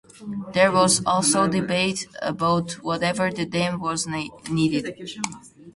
There was also debate about whether the dam was needed.